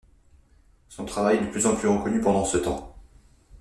Son travail est de plus en plus reconnu pendant ce temps.